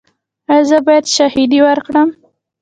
ایا زه باید شاهدي ورکړم؟